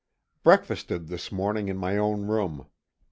_ Breakfasted this morning in my own room.